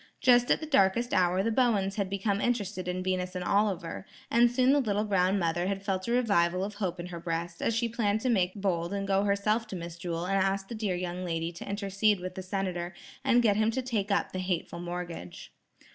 Just at the darkest hour the Bowens had become interested in Venus and Oliver, and soon the little brown mother had felt a revival of hope in her breast, as she planned to make bold and go herself to Miss Jewel and ask the dear young lady to intercede with the Senator and get him to take up the hateful mortgage.